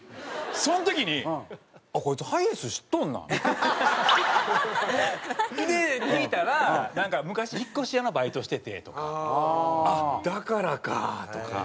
その時に「こいつハイエース知っとるな」。で聞いたらなんか「昔引っ越し屋のバイトしてて」とか。「あっだからか！」とか。